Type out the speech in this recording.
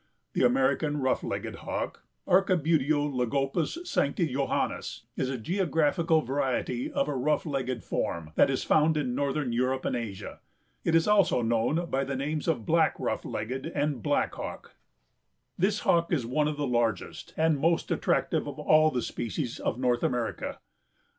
The American Rough legged Hawk (Archibuteo lagopus sancti johannis) is a geographical variety of a rough legged form that is found in northern Europe and Asia. It is also known by the names of Black Rough legged and Black Hawk. This Hawk is one of the largest and most attractive of all the species of North America. Dr.